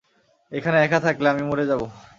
এইখানে একা থাকলে আমি মরে যাব।